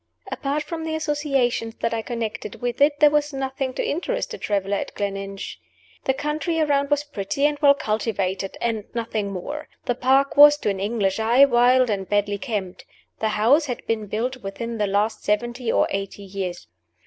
Apart from the associations that I connected with it, there was nothing to interest a traveler at Gleninch. The country around was pretty and well cultivated, and nothing more. The park was, to an English eye, wild and badly kept. The house had been built within the last seventy or eighty years.